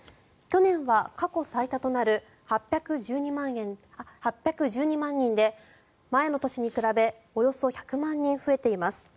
去年は過去最多となる８１２万人で前の年に比べおよそ１００万人増えています。